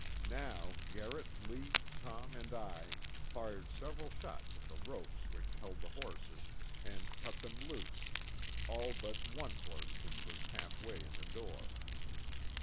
Now Garrett, Lee, Tom and I, fired several shots at the ropes which held the horses, and cut them loose all but one horse which was half way in the door.